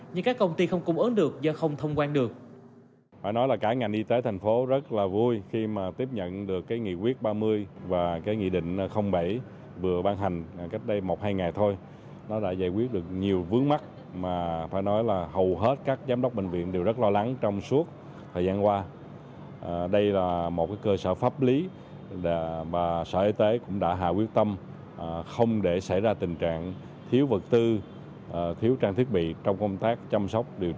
nhưng các công ty không cùng ứng được do không thông quan được